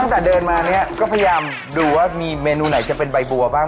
ตั้งแต่เดินมาเนี่ยก็พยายามดูว่ามีเมนูไหนจะเป็นใบบัวบ้าง